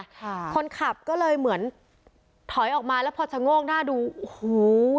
ค่ะคนขับก็เลยเหมือนถอยออกมาแล้วพอชะโงกหน้าดูโอ้โห